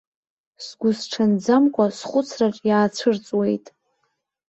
Сгәысҽанӡамкәа схәыцраҿ иаацәырҵуеит.